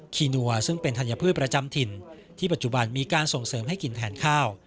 ีนัวซึ่งเป็นธัญพืชประจำถิ่นที่ปัจจุบันมีการส่งเสริมให้กินแทนข้าว